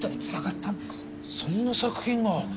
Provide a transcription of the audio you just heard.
そんな作品が。